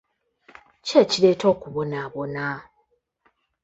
Ki ekireeta okubonaabona?